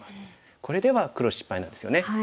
これでは黒失敗なんですよね。